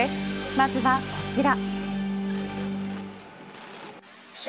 まずはこちら。